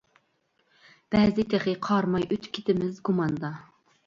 بەزى تېخى قارىماي، ئۆتۈپ كېتىمىز گۇماندا.